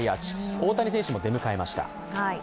大谷選手も出迎えました。